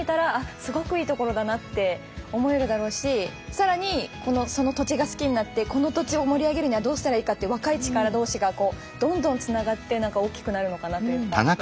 すごくいい所だなって思えるだろうし更にその土地が好きになってこの土地を盛り上げるにはどうしたらいいかって若い力同士がどんどんつながって大きくなるのかなというか。